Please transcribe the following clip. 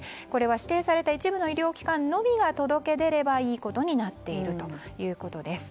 指定された一部の医療機関のみが届け出ればいいことになっているんです。